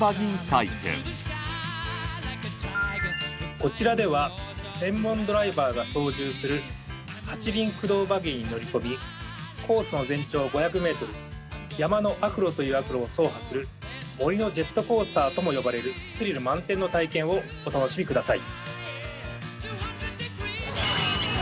こちらでは専門ドライバーが操縦する８輪駆動バギーに乗り込みコースの全長５００ｍ山の悪路という悪路を走破する森のジェットコースターとも呼ばれるスリル満点の体験をお楽しみください。